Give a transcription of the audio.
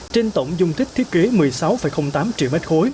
trên tổng dung tích thiết kế một mươi sáu tám triệu m ba